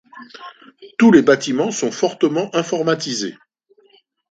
Tous les bâtiments sont fortement informatisés.